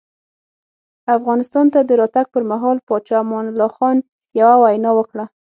افغانستان ته د راتګ پر مهال پاچا امان الله خان یوه وینا وکړه.